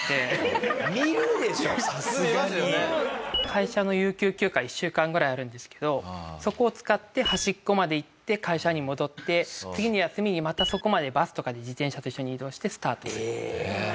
会社の有給休暇１週間ぐらいあるんですけどそこを使って端っこまで行って会社に戻って次の休みにまたそこまでバスとかで自転車と一緒に移動してスタートする。